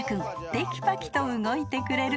［てきぱきと動いてくれる］